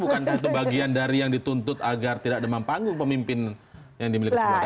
tapi itu bukan satu bagian dari yang dituntut agar tidak demam panggung pemimpin yang dimiliki sebuah daerah